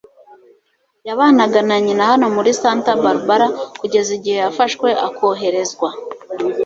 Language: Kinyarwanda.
Yabanaga na nyina hano muri Santa Barbara kugeza igihe yafashwe akoherezwa.